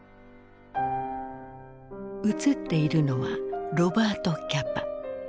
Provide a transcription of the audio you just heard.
映っているのはロバート・キャパ。